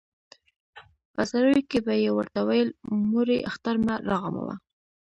په زاریو کې به یې ورته ویل مورې اختر مه راغموه.